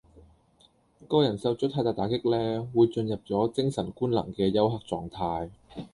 個人受咗太大打擊呢，會進入咗精神官能嘅休克狀態